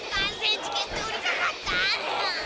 チケット売りたかった！